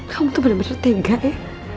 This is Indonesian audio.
kamu tuh bener bener tega ya